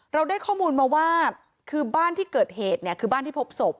เราได้ข้อมูลมาว่าคือบ้านที่เกิดเหตุเนี่ยคือบ้านที่พบศพ